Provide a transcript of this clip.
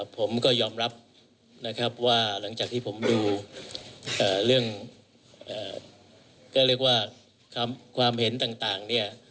ผมก็ยอมรับว่าหลังจากที่ผมดูภาพเรื่องความเห็นต่าง